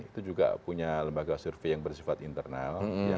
itu juga punya lembaga survei yang bersifat internal